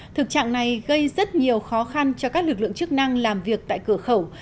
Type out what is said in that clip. thực trạng này gây rất nhiều khó khăn cho các lực lượng chức năng làm việc tại cửa khẩu